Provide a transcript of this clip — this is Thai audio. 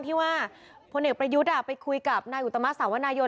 ที่ว่าพลเอกประยุทธ์ไปคุยกับนายอุตมะสาวนายน